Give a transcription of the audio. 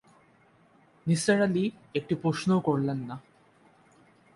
নিসার আলি একটি প্রশ্নও করলেন না।